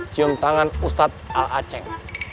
cium tangan ustadz al a ceng